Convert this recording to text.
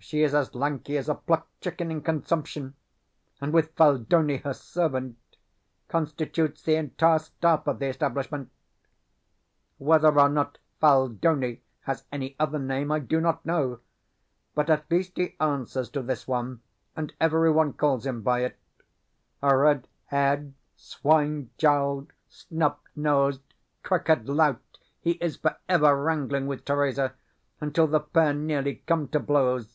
She is as lanky as a plucked chicken in consumption, and, with Phaldoni (her servant), constitutes the entire staff of the establishment. Whether or not Phaldoni has any other name I do not know, but at least he answers to this one, and every one calls him by it. A red haired, swine jowled, snub nosed, crooked lout, he is for ever wrangling with Theresa, until the pair nearly come to blows.